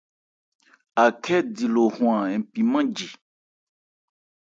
Akhɛ́ di lo hwân mpì nmánji.